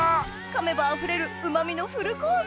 かめばあふれるうま味のフルコース